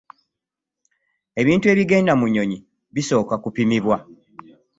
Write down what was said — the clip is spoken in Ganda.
Ebintu ebigenda mu nnyonyi bisooka kupimibwa.